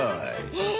え？